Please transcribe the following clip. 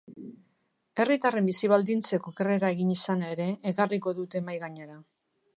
Herritarren bizi-baldintzek okerrera egin izana ere ekarriko dute mahai gainera.